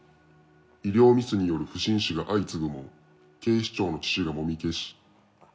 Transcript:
医療ミスによる不審死が相次ぐも警視長の父がもみ消し。